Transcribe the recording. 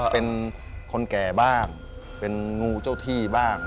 เป็นคนแก่บ้างเป็นงูเจ้าที่บ้าง